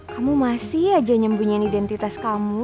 kamu masih aja nyembunyiin identitas kamu